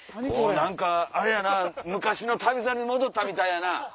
何かあれやな昔の『旅猿』戻ったみたいやな。